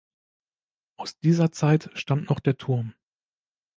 Aus dieser Zeit stammt noch der Turm.